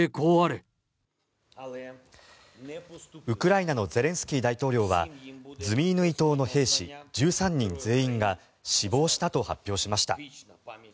ウクライナのゼレンスキー大統領はズミイヌイ島の兵士１３人全員が死亡したと発表しました。